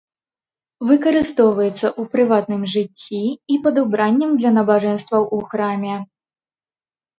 Выкарыстоўваецца ў прыватным жыцці і пад убраннем для набажэнстваў у храме.